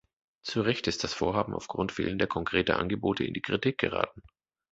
Zu Recht ist das Vorhaben aufgrund fehlender konkreter Angebote in die Kritik geraten.